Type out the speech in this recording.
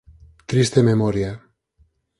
Triste Memoria".